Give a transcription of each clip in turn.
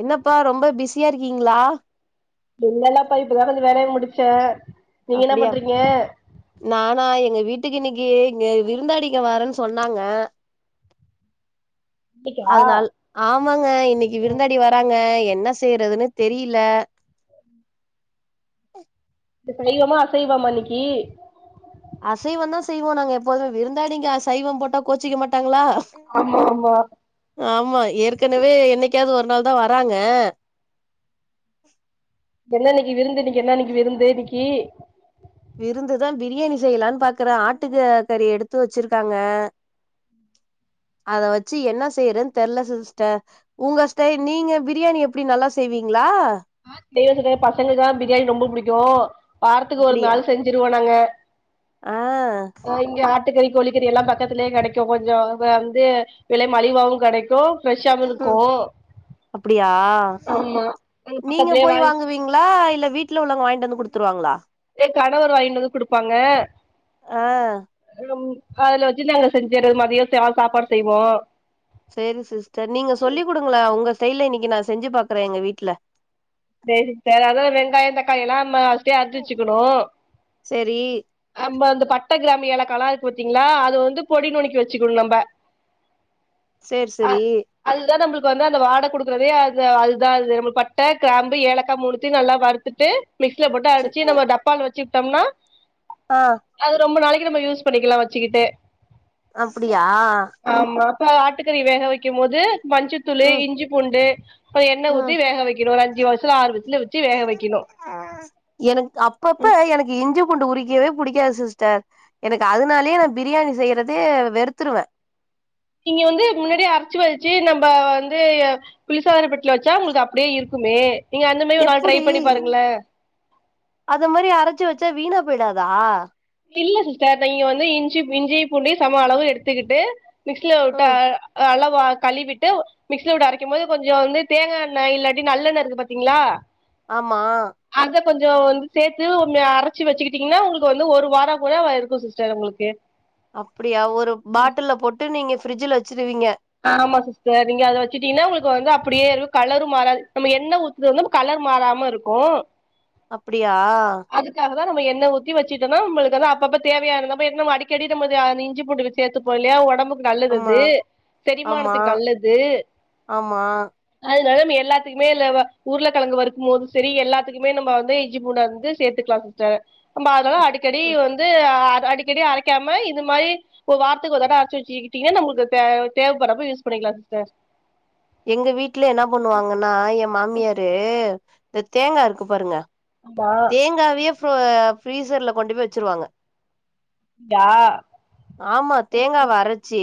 என்னப்பா ரொம்ப பிஸியா இருக்கீங்ளா இல்லல்லப்பா இப்பதா கொஞ்சோ வேலய முடிச்சே நீங்க என்ன அப்புடியா பண்றீங்க நானா எங்க வீட்டுக்கு இன்னிக்கி இங்க விருந்தாளிங்க வாரேன்னு சொன்னாங்க இன்னைக்கா அதனால் ஆமாங்க இன்னிக்கி ம் விருந்தாளி வராங்க என்ன செய்றதுனு தெரீல இது சைவமா அசைவமா இன்னிக்கி அசைவோந்தா செய்வோ நாங்க எப்போதுமே விருந்தாளிங்க சைவோ போட்டா கோச்சிக்க மாட்டாங்ளா ஆமா ஆமா ஆமா ஏற்கனவே என்னிக்காது ஒரு நாள் தா வராங்க என்ன இன்னிக்கி விருந்து இன்னிக்கி என்ன இன்னிக்கி விருந்து இன்னிக்கீ விருந்துதா பிரியாணி செய்யலான்னு பாக்குறே ஆட்டுக்கு கறி எடுத்து வெச்சிருக்காங்க அத வெச்சு என்ன செய்யறதுனு தெர்ல சிஸ்டர் உங்க ஸ்டை நீங்க பிரியாணி எப்டி நல்லா செய்வீங்ளா செய்வ சிஸ்டர் பசங்களுக்குதா பிரியாணி ரொம்போ பிடிக்கோ வாரத்துக்கு ஒரு அப்டியா நாள் செஞ்சிருவோ நாங்க ஆ ஓ இங்க ஆட் ட்டுக்கறி கோழிக்கறி எல்லா பக்கத்துலயே கெடைக்கோ கொஞ்சோ வந்து விலை மலிவாவவு கடைக்கோ ஃப்ரெஷாவு ம் இருக்கோ அப்டியா ஆமா எங்க நீங்க பக்கத்துலயே போயி வாங்கி வாங்குவீங்ளா இல்ல வீட்ல உள்ளவுங்க வாங்கிட்டு வந்து குடுத்துருவாங்ளா ஏ கணவர் வாங்கிட்டு வந்து குடுப்பாங்க ஆ ம் அதுல வெச்சு நாங்க செஞ்சுறது மதியோ ச சாப்பாடு செய்வோ செரி சிஸ்டர் நீங்க சொல்லி் குடுங்களே உங்க ஸ்டைல்ல இன்னிக்கி நா செஞ்சு பாக்குறே எங்க வீட்ல செரி சிஸ்டர் அதா வெங்காயோ தக்காளி எல்லா ஃபர்ஸ்டே அறிஞ்சி வெச்சுக்கணோ செரி நம்ம அந்த பட்ட கிராமி யேலக்காலா இருக்கு பாாத்தீங்ளா அது வந்து பொடி நுனுக்கி வெச்சுக்கணு நம்ம செர் செரி அதுதா நம்முளுக்கு வந்து அந்த வாட குடுக்குறதே அது அதுதா அது நம்ம பட்ட கிராம்பு ஏலக்கா மூனுத்தியு நல்லா வருத் துட்டு மிக்சில போட்டு சே அடிச்சு நம்ம டப்பால வெச்சுட்டோம்னா ஆ அது ரொம்ப நாளைக்கி நம்ம யூஸ் பண்ணிக்குலா வெச்சுக்கிட்டு அப்புடியா ஆமா அப்ப ஆட்டுக்கறி வேக வைக்கும் போது மஞ்சத்தூளு ம் இஞ்சி பூண்டு அப்றோ எண்ண ஊத்தி ம் வேக வைக்கணு ஒரு அஞ்சு விசிலு ஆறு விசிலு ச்சி வேக வெக்கணு எனக்கு அப்பப்ப எனக்கு இஞ்சி பூண்டு உரிக்கவே புடிக்காது சிஸ்டர் எனக்கு அதனாலயே நா பிரியாணி செய்யறதே வெறுத்துருவே இங்க வந்து முன்னாடியே அரச்சு வெச்சு நம்ப வந்து குளிர்சாதான பெட்டில வெச்சா உங்கள்க்கு அப்டியே இருக்குமே நீங்க அந்த மாரி ஒரு நாள் ட்ரை எப்டி பண்ணி பாருங்கல அத மாரி அரச்சு வெச்சா வீணா போய்டாதா இல்ல சிஸ்டர் நீங்க வந்து இஞ்சி இஞ்சி புண்டயு சம அளவு எடுத்துக்கிட்டு மிக்ஸ்ல வுட்டு ம் அ அளவா கழுவிட்டு மிக்சில போட்டு அரைக்கும் போது கொஞ்சோ வந்து தேங்கா எண்ண இல்லாட்டி நல்லண்ண இருக்கு பாத்தீங்ளா ஆமா அத கொஞ்சோ வந்து சேத்து உண் அரச்சு வெச்சுக்கிட்டீங்னா உங்கள்க்கு வந்து ஒரு வாரோ கூட இருக்கு சிஸ்டர் உங்கள்க்கு அப்டியா ஒரு பாட்டில்ல போட்டு நீங்க ஃப்ரிட்ஜ்ல வச்சிருவீங்க ஆமா சிஸ்ட நீங்க அத வச்சுட்டீங்ன்னா உங்கள்க்கு வந்து அப்டியே இருக்கு கலரு மாறாது நம்ம என்ன ஊ இது வந்து கலர் மாறாம இருக்கு அப்புடியா அதுக்காக தா நம்ம எண்ண ஊத்தி வச்சட்டொன்னா நம்மளுக்கு வந்து அப்பபோ தேவையான நம்ம அடிக்கடி நம்ம இது இஞ்சி பூண்டு வச் சேத்துப்போ இல்லையா ஒடம்புக்கு நல்லது ஆமா அது ஆமா செரிமானத்துக்கு நல்லது ஆமா அதனால ம்ம எல்லாத்துக்குமே இல்ல உருள கிழங்கு வருக்கும் போது சரி எல்லாத்துக்குமே நம்ம வந்து இஞ்சி பூண்ட வந்து சேத்துக்கலா சிஸ்டர் இம்பாலு அடிக்கடி வந்து அடி அடிக்கடி அரைக்காம இது மாரி ஒரு வாரத்க்கு ஒரு தடவ அரச்சு வெச்சுக்கிட்டீங்க நம்மளுக்கு தேவ தேவ்ப்படறப்ப யூஸ் பண்ணிக்கலா சிஸ்டர் எங்க வீட்ல என்ன பண்ணுவாங்கன்னா ய மாமியாரு இந் தேங்கா இருக்கு பாருங்க அதா தேங்கவிய ஃபு ஃப்ரீசர்ல கொண்டு போய் வெச்சுருவாங்க யா ஆமா தேங்காவ அரச்சி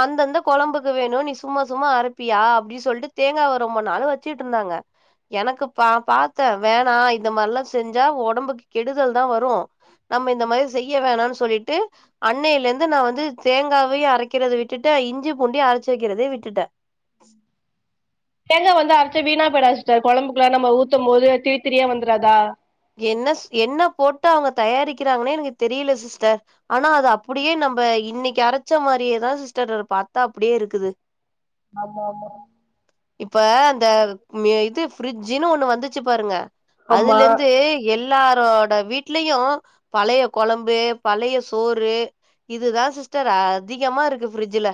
அந்தந்த கொழம்புக்கு வேணு நீ சும்மா சும்மா அரப்பியா அப்டின்னு சொல்லிட்டு தேங்காவ ரொம்ப நாள் வச்சிட்டு இருந்தாங்க எனக்கு பா பார்த்தே வேணா இந்த மாரிலா செஞ்சா ஒடம்புக்கு கெடுதல் தா வரோ நம்ம இந்த மாதிரி செய்ய வேணாம் சொல்லிட்டு அன்னேலருந்து நா வந்து தேங்காவையு அரைக்கறத விட்டுட்ட இஞ்சி பூண்ட அரைச்சு வைக்கிறதயும் விட்டுட்ட தேங்க வந்து அரைச்சா வீணா போயிடாதா சிஸ்டர் கொழம்புக்குலா நம்ம ஊத்தும் போது திரி திரியா வந்துராதா என்ன என்ன போட்டு அவங்க தயாரிக்கிறாங்கன்னே எனக்கு தெரியல சிஸ்டர் ஆனா அத அப்படியே நம்ம இன்னைக்கு அரைச்ச மாதிரியேதா சிஸ்டர் பாத்தா அப்படியே இருக்குது [inaudible] ஆமா ஆமா இப்ப அந்த இது பிரிட்ஜின்னு ஒண்ணு வந்துச்சு பாருங்க அதுல ஆமா இருந் எல்லாரோட வீட்லயும் பழைய கொழம்பு பழைய சோறு இதுதா சிஸ்டர் அ அதிகமாருக்கு ஃப்ரிட்ஜில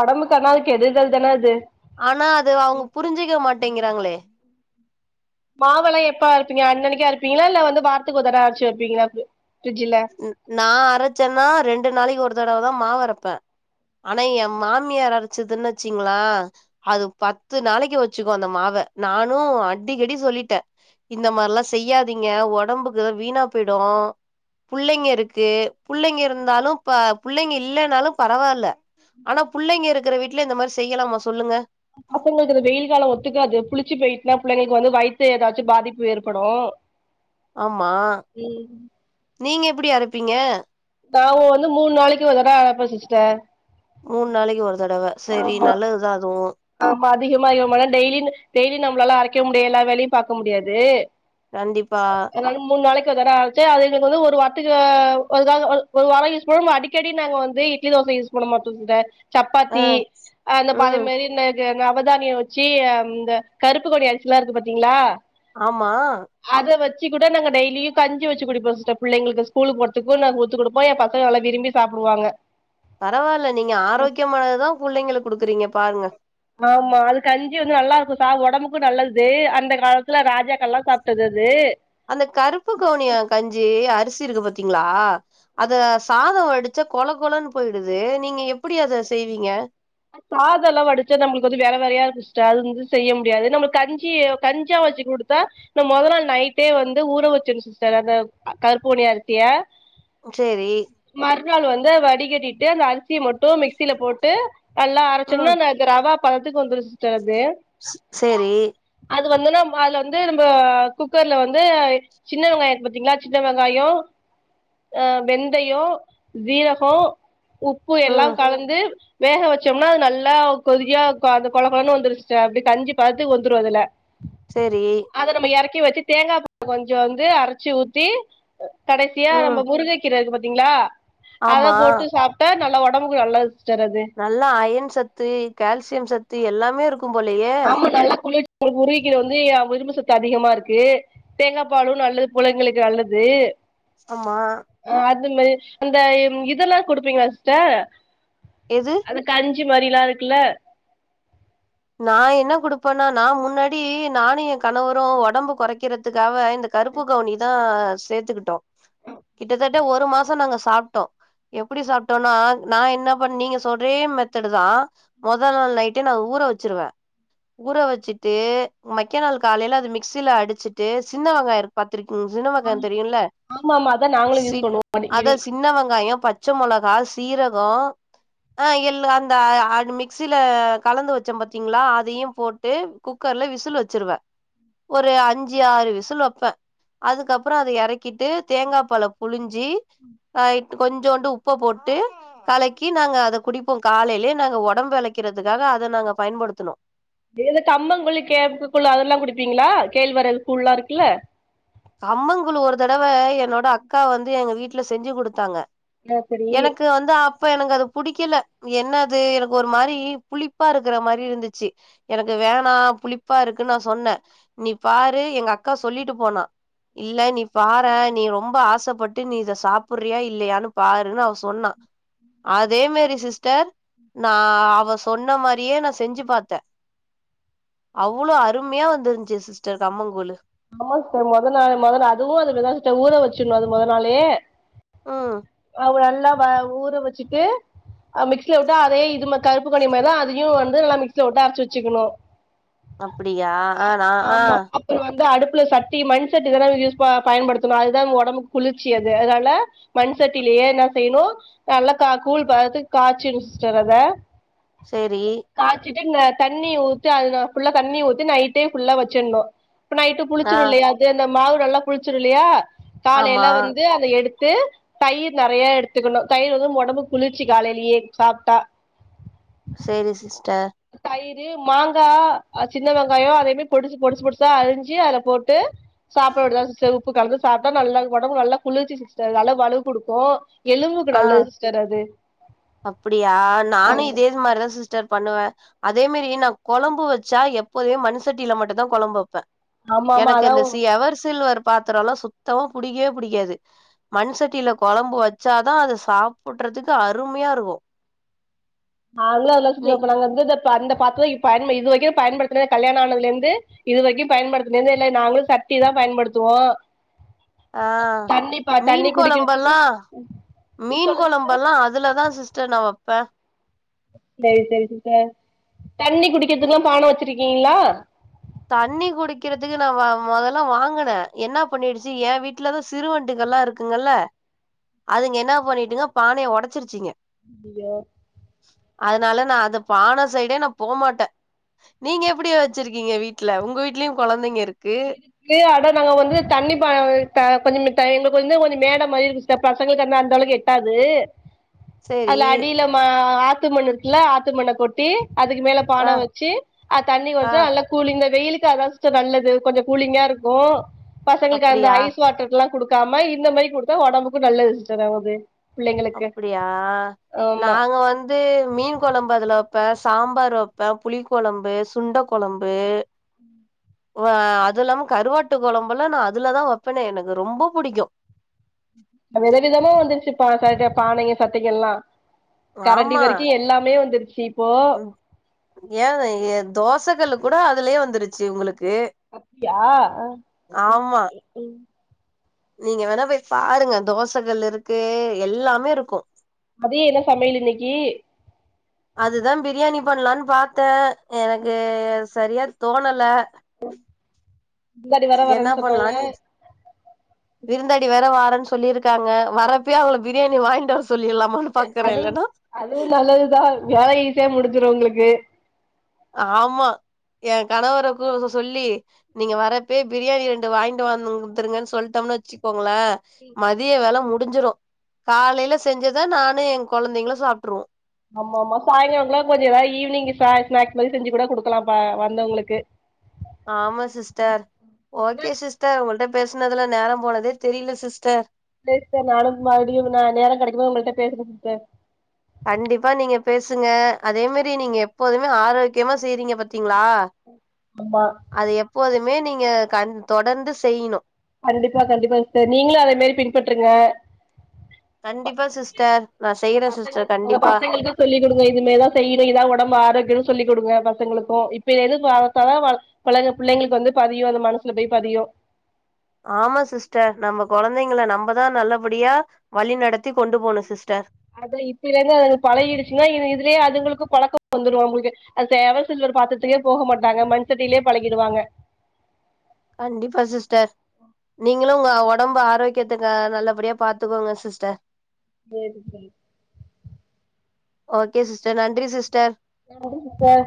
ஒடம்புக்கு அனால் கெடுதல் தானே அது ஆனா அது அவுங்க புரிஞ்சுக்க மாட்டேங்றாங்களே மாவெல்லா எப்போ அரப்பிங்க அன்னக்கு அரப்பீங்களா இல்ல வந்து வார்த்துக்கு ஒருதட அரச்சி வைப்பிங்களா ஃப்ரிட்ஜில ம் நா அரைச்சன்னா ரெண்டு நாளைக்கு ஒரு தடவ தா மாவரப்பே ஆனா ய மாமியார் அரைச்சுதுன்னச்சிங்கள அது பத்து நாளைக்கு வெச்சுக்கோ அந்த மாவ நானு அடிக்கடி சொல்லிட்ட இந்த மார்ல்லாம் செய்யாதீங்க ஒடம்புக்கு வீணா போயிடும் புள்ளைங்கருக்கு புள்ளைங்கருந்தாலும் பா புள்ளைங்க இல்லைன்னாலும் பரவால்ல ஆனா புள்ளைங்க இருக்கிற வீட்ல இந்தமாரி செய்யலாமா சொல்லுங்க பசங்களுக்கு இந்த வெயில் காலோ ஒத்துக்காது புளிச்சு போயிட்னா புள்ளைளுக்கு வந்து வயித்து ஏதாச்சும் பாதிப்பு ஏற்படும் ஆம்மா நீங்க எப்படி அரப்பீங்க தா உ வந்து மூணு நாளைக்கு ஒரு தடவ அரப்ப சிஸ்ட மூணு நாளைக்கு ஒரு தடவ செரி நல்லது தா அதுவு ஆமா அதிகமா டெய்லி டெய்லி நம்ளால அரைக்க முடியு எல்லா வேலயும் பாக்க முடியாது கண்டிப்பா அந்தாங்க ஒரு மூணு நாளைக்கு அதனா ஆச்சு அது ஒரு வார்த்துக்கு அ ஒரு நாளைக் யூஸ் பண்ணு அடிக்கடி நாங்க வந்து இட்லி தோச யூஸ் பண்ண மட்டுந்த அ, சப்பாத்தி அந்த பாதி ம். மாரி இன்னக்கு நவதானியம் வச்சி இந்த கருப்பு கொடி அரிசில்லா இருக்கு பாத்தீங்களா ஆமா அத வச்சி கொட நாங்க டெய்லியு கஞ்சி வச்சு குடிப்போ பிள்ளைளுக்கு ஸ்கூல் போர்துக்கும் நாங்க ஊத்தி குடுப்போம் ய பசங்க எல்லா நல்லா விரும்பி சாப் சாப்புடுவாங்க பரவால்ல நீங்க ஆரோக்கியமானதுதா புள்ளைங்களுக் குடுக்குறீங்க பாருங்க வாம்மா அது கஞ்சி வந்து நல்லா இருக்கும் சார் ஒடம்புக்கும் நல்லது அந்த காலத்துல ராஜாக்ககெல்லாம் சாப்ட்டது அது அந்த கருப்பு கவுனிய கஞ்சி அரிசி இருக்கு பாத்தீங்களா அத சாதோ வடிச் ச்சா கொல கொலன் போயிடுது நீங்க எப்பிடி அத செய்வீங்க சாத எல்லா வடிச்சு நம்மளுக்கு வந்து வெற வெறையா இருக்கும் சிஸ்டர் அது வந்து செய்ய முடியாது நம்மளுக்கு கஞ்சி கஞ்சா வச்சு குடுத்தா நீ மொத நாள் நைட்டே வந்து ஊற வச்சிர்ணு சிஸ்டர் அந்த கருப்பு கவுனி அரிசிய சேரி மறுநாள் வந்து வடிகட்டிட்டு அந்த அரிசிய மட்டு மிக்சியில போட்டு நல்லா ம். அரைச்சோனாந்த ரவா பதத்துக்கு வந்துரும் சிஸ்ட அது சேரி அது வந்துனா அதுல வந்து நம்ப குக்கர்ல வந்து சின்ன வெங்காய இருக்கு பாத்தீங்ளா சின்ன வெங்காயோ அ வெந்தயோ ஜீரகோ உப்பு எல்லா ம். கலந்து வேக வச்சோம்னா அது நல்லா கொதியா அந்த கொழகொழனு வந்துரு சிஸ்ட அப்டி கஞ்சி பததுக்கு வந்துரு‌ அதுல்ல சேரி அதை நம்ம எறக்கி வச்சி தேங்காய்பூ கொஞ்சோ வந்து அரச்சு ஊத்தி கடைசியா ம். நம்ம முருங்க கீர இருக்கு பாத்தீங்களா அத ஆமா. போட்டு சாப்ட்டா நல்ல ஒடம்புக்கு நல்லது சிஸ்டர் அது நல்லா அயன் சத்து கால்சியம் சத்து எல்லாமே இருக்கு கும் போலயே ஆமா நல்லா குளி முருங்கை கீர வந்து இரும்பு சத்து அதிகமா இருக்கு தேங்காப்பாலும் நல்லது புள்ளைங்களுக்கு நல்லது ஆம்மா அ அது மே அந்த இதெல்லா குடுப்பீங்ளா சிஸ்ட எது அந்த கஞ்சி மாரிலா இருக்குல்ல நா என்ன குடுப்பன்னா நா முன்னாடி நானு எ கணவரு ஒடம்பு கொறைக்கிறதுக்காவ இந்த கருப் பு கவுனிதா சேத்துக்கிட்டோ கிட்டத்தட்ட ஒரு மாசோ நாங்க சாப்டோ எப்டி சாப்டோன்னா நா என்ன பண் நீங்க சொறே மெத்தடு் தா மொத நாள் நைட்டு நா ஊற வச்சிருவே ஊற வச்சிட்டு மக்க நாள் காலையில அது மிக்சில அடிச்சிட்டு சின்னவங்காய இருக் பத்திருக்கீங் சின்ன வெங்காய தெரியும்ல ஆமா ஆமா அதா நாங்களு சி யூஸ் பண்ணுவோ அடிக்கடி அத சின்ன வெங்காயோ பச் சமொளகா சீரகோ ஆ எல் அந்த மிக்சில கலந்து வச் சோ பத்தீங்ளா அதயு போட்டு குக்கர்ல விசில் வச்சிருவே ஒரு அஞ்சு ஆறு விசில் வப்பே அதுக்கப்பறோ அதை எறக்கிட்டு தேங்காப்பால புழிஞ்சி அ கொஞ்சோண்டு உப்ப போட்டு கலக்கி நாங்க அத குடிப்போ காலேயிலே நாங்க ஒடம்பு இளைக்கிறதுக்காக அத நாங்க பயன்படுத்துனோ இதுல தம்மங்கூல்லு கேப்பகூலு அதெல்லா குடிப்பீங்களா கேழ்வரகு கூல்லா இருக்குல்ல கம்மங்கூலு ஒரு தடவ என்னோட அக்கா வந்து எங்க வீட்டுல செஞ்சு குடுத்தாங்க ஆ சரி எனக்கு வந்து அப் ப எனக்கு அது புடிக்கல என்ன அது எனக்கு ஒரு மாரி புளிப்பா இருக்கற மாரி இருந்துச்சு எனக்கு வேணா புளிப்பா இருக்குன்னு நா சொன்னே நீ பாரு எங்க அக்கா சொல்லிட்டு போனா இல்ல நீ பாறே நீ ரொம்ப ஆசைப்பட்டு நீ இத சாப்புட்ரியா இல்லையான்னு பாருன்னு அவ சொன்னா அதே மேரி சிஸ்டர் நா அவ சொன்ன மாறியே நா செஞ்சி பாத்த அவ்ளோ அருமையா வந்துருந்துச்சு சிஸ்டர் கம்மங்கூழு ஆமா சிஸ்டர் மொத நாள் மொத நா அதுவு அந்தமேறி தா ஊற வச்சிறனு அது மொதனாளே ம் அவு நல்லா வ ஊற வெச்சிட்டு ஹ மிக்ஸில விட்டு அதே இது கருப்பு கவுனி மாறி தா அதையு வந்து நல்ல மிக்சஸில விட்டு அரைச்சி வெச்சுக்கணு அப்பிடியா ஆ நா ஆ ஆமா வந்து அடுப்புல சட்டி மண் சட்டி தான யூஸ் ப பயன்படுத்தணு அதுதா நம்ம ஒடம்பு குளிர்ச்சி அது அதனால மண் சட்டிலையே என்ன செய்ணு நல்லா கா கூழ் பததுக்கு‌ காய்ச்சினு சிஸ்டர் அத சேரி காய்சிட்டு இந்த தண்ணி ஊத்தி அதுல ஃபுல்லா தண்ணி ஊத்தி நைட்டே ஃபுல்லா வெச்சின்ணு இப்ப நைட்டு ஆ புளிச்சிரு இல்லையா அது அந்த மாவு நல்லா புளிச்சிருல்லையா காலைல ஆமா வந்து அத எடுத்து தயிர் நெறைய எடுத்துக்கணு தயிர் வந்து உடம்பு குளிர்ச்சு காலையிலயே சாப்டா செரி சிஸ்டர் தயிறு மாங்கா அ சின்ன வெங்காயோ அதேமாரி பொடிசு பொடிசு பொடிசா அரிஞ்சு அதுல போட்டு சாப்பாடுதா சிஸ்டர் உப்பு கலந்து சாப்டா நல்லது உடம்பு நல்லா குளிர்ச்சி சிஸ்டர் நல்லா வலுவு குடுக்கோ எலும்புக்கு நல்லது சிஸ்டர் அது அப்புடியா நானு இதே மாரிதா சிஸ்டர் பண்ணுவே அதே மாரி நா கொழம்பு வெச்சா எப்போதுமே மண்சட்டியில மட்டுந்தா கொழம்பு வெப்பே ஆமா ஆமா எனக்கு அதா இந்த சி எவர் சில்வர் பாத்திரல்லா சுத்தமா புடிக்கவே புடிக்காது மண் சட்டில கொழம்பு வச்சாதா அது சாப்புட்றதுக்கு அருமையா இருக்கு நாங்களா எல்லா செஞ்சு நீ வெப்போ நாங்க வந்து இந்த அந்த பாத்தரோ இப்போ பய்ன்ப இது வரைக்கு பயன்படுத்துனதே கல்யாணோ ஆனதுலேந்து இது வரைக்கு பயன்படுத்தினதே இல்ல நாங்களு சட்டிதா பயன்படுத்துவோ ஆ தண்ணி பா தண்ணி மீன் குடிக்கிறதுக்கு கொழம்பல்லா மீன் சொல்லுங்க சிஸ்டர் கொழம்பல்லா அதுலதா சிஸ்டர் நா வப்பே சரி சரி சிஸ்டர் தண்ணி நீ குடிக்கிறதுக்குல்லா பான வெச்சிருக்கீங்ளா தண்ணி குடிக்கிறதுக்கு நா வ மொதல்லா வாங்குனே என்ன பண்ணிடுச்சு என் வீட்டுலதா சிறுவண்டுகல்லா இருக்கு ங்கல்ல அதுங்க என்ன பண்ணிட்டுங்க பானைய வொடச்சிருச்சிங்க அப்டியா அதனால நா அந்த பான சைடே நா போமாட்ட நீங்க எப்டி வெச்சிருக்கீங்க வீட்டுல உங்க வீட்லயு கொழந்தைங்க இருக்கு ட்டு அட நாங்க வந்து தண்ணி பான வெக்க கொஞ்ச மித்தைமுக்கு வந்து கொஞ்ச மேட மாரி இருக்கு சிஸ் டர் பசங்களுக்கு வந்து அந்த அளவுக்கு எட்டாது சரி அதுல அடியில மா ஆத்துமண்ணு இருக்குல்ல ஆத்துமண்ண கொட்டி அதுக்கு மேல ஆ பானை வெச்சி அத் தண்ணி ஆ கொஞ்சோ நல்லா கூலிங்க வெயிலுக்கு அதா சிஸ்டர் நல்லது கொஞ்ச கூலிங்கா இருக்கோ பசங்களுக்கு அந்த அப்டியா ஐஸ் வாட்டர்லா குடுக் க்காம இந்த மாரி குடுத்தா உடம்புக்கு நல்லது சிஸ்டர் [unintelligible] அப்படியா ஆமா நாங்க வந் வந்து மீன் கொழம்பு அதுல வெப்பே சாம்பார் வெப்பே புளி கொழம்பு சுண்ட கொழம்பு வ அது இல்லாம கருவாட்டு கொழம்பெல்லா நா அதுலதா வெப்பனே எனக்கு ரொம்ப புடிக்கு வித விதமா வந்துருச்சு பா ச பானைங்க சட்டிங்கெல்லா கரண்டி ஆமா வெரிக்கு எல்லாமே வந்துருச்சி இப்போ ம் ஏன் எ தோச கல்லு கூட அதுலே வந்துருச்சு உங்களுக்கு அப்படியா ஆ, ம், ஆமா ம் நீங்க வேணா போய் பாருங்க தோசகல்லு இருக்கு எல்லாமே இருக்கு மதியம் என்ன சமையல் இன்னைக்கி அதுதா பிரியாணி பண்ணலானு பாத்தே எனக்கு சரியா தோணல விருந்தாடி வேற என்ன வரேன்னு சொன்னாங்க பண்லான்னு விருந்தாடி வேற வாரேன்னு சொல்லிருக்காங்க வரப்பயே அவங்கள பிரியாணி வாங்கிட்டு வர சொல்லிட்லாமானு பாக்கறே அதுவு இல்லனா அதுவு நல்லதுதா வேல ஈஸியா முடிஞ்சிடு உங்களுக்கு ஆமா எ கணவர கு சொல்லி நீங்க வரப்பயே பிரியாணி ரெண்டு வாங்கிட்டு வந்துருங்கன்னு சொல்லிட்டோம்னு வச்சுக்கோங்களே மதிய வேலை முடிஞ்சிரு காலைல செஞ்சத நானு எ கொழந்தைங்களு சாப்ட்டுருவோ ஆமா ஆமா சாயங்காலங்கலா கொஞ்சோ ஏதா ஈவினிங் ஸ்நா ஸ்நாக்ஸ் மாரி செஞ்சுகூட குடுக்கலா பா வந்தவங்களுக்கு ஆமா சிஸ்டர், ஓகே சிஸ்டர், உங்கள்ட பேசுனதுல நேரம் போனதே தெரியல சிஸ்டர் சேர் சிஸ்டர் நாளைக் மறுடியு நா நேரோ கடைக்கும்போ ஒங்ககிட்ட பேசுறன் ஸ்டர் கண்டிப்பா நீங்க பேசுங்க அதே மாரி நீங்க எப்போதுமே ஆரோக்கியமா செய்றீங்க பாத்தீங்ளா அ, ஆமா அது எப்போதுமே நீங்க கண் தொடர்ந்து செய்ணு கண்டிப்பா கண்டிப்பாங் சிஸ்டர் நீங்களு அதே மாரி பின்பற்றுருங்க கண்டிப்பா சிஸ்டர் நா செய்யறே சிஸ்டர் கண்டிப்பா சொல்லிக்குடுங்க இதுமேரிதா செய்யனு இதா ஒடம்பு ஆரோக்கியம்னு சொல்லிக்குடுங்க பசங்களுக்கு இப்பலேந்து பாத்தாத பழக பிள்ளைங்களுக்கு வந்து பதியு அது மனசுல போய் பதியு ஆமா சிஸ்டர் நம்ம கொழந்தைங்கள நம்மதா நல்லபடியா வழி நடத்தி கொண்டு போணு சிஸ்டர் அதா இப்பைலேந்து அதுங்க பழகிடுச்சுன்னா இது இதுலயே அதுங்களுக்கு பழக்கம் வந்துடு அவங்களுக்கு அத எவர்சில்வர் பாத்தரத்துக்கே போக மாட்டாங்க மண் சட்டிலே பழகிடுவாங்க கண்டிப்பா சிஸ்டர் நீங்களு உங்க ஒடம்பு ஆரோக்கியத்துக்கு நல்லபடியா பாத்துக்கோங்க சிஸ்டர் சேரி சேரி ஓகே சிஸ்டர், நன்றி சிஸ்டர். நன்றி சிஸ்டர்.